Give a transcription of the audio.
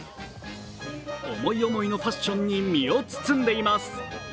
思い思いのファッションに身を包んでいます。